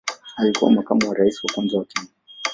Alikuwa makamu wa rais wa kwanza wa Kenya.